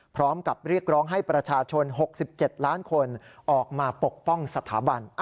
พร้อมกับเรียกร้องให้ประชาชน๖๗ล้านคนออกมาปกป้องสถาบัน